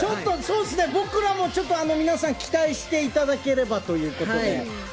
僕らも、ちょっと皆さん期待していただければということで。